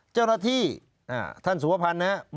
เจ้าหน้าที่ท่านสุวพันธ์นะครับ